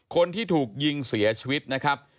คนที่ถูกยิงเสียชีวิตนะครับ